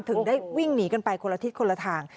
ถึงได้วิ่งหนีกันไปคนละทิศคนละทาง